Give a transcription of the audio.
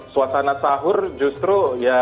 suasana sahur justru